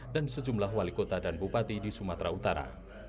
dan sejumlah wali kota dan bupati di sumatera utara